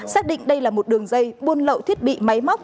xác định đây là một đường dây buôn lậu thiết bị máy móc